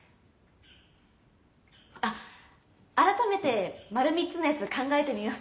あっ改めて「丸３つ」のやつ考えてみます？